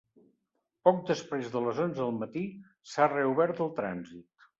Poc després de les onze del matí s’ha reobert al trànsit.